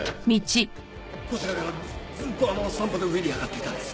こちらからずーっと散歩で上に上がっていったんです。